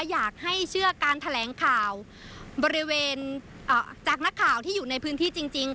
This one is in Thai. อยากให้เชื่อการแถลงข่าวบริเวณจากนักข่าวที่อยู่ในพื้นที่จริง